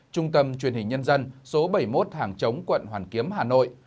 trung tâm truyền hình nhân dân số bảy mươi một hàng chống quận hoàn kiếm hà nội